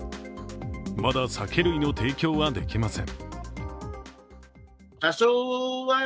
まだ酒類の提供はできません。